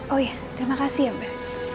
oh iya terima kasih ya bel